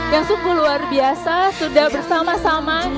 yang sungguh luar biasa sudah bersama sama